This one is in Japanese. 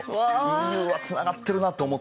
ＥＵはつながってるなと思ったね。